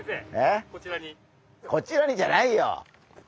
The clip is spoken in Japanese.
こちらにじゃないよ。